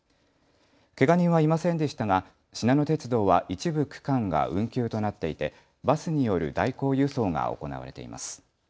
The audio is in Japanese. けが人はいませんでしたがしなの鉄道は一部区間が運休となっていてバスによる代行輸送が行われています。